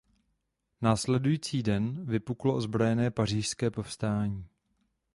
Následujícího den vypuklo ozbrojené Pařížské povstání.